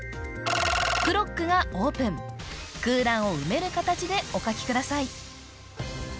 ○○クロックがオープン空欄を埋める形でお書きください